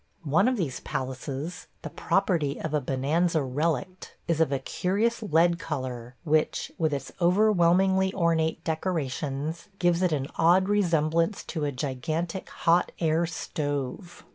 One of these palaces – the property of a bonanza relict – is of a curious lead color, which, with its overwhelmingly ornate decorations, gives it an odd resemblance to a gigantic hot air stove.